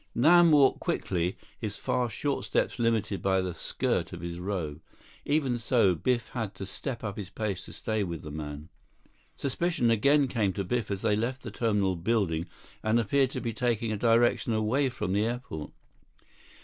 Nam walked quickly, his fast, short steps limited by the skirt of his robe. Even so, Biff had to step up his pace to stay with the man. Suspicion again came to Biff as they left the terminal building and appeared to be taking a direction away from the airport.